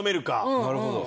なるほど。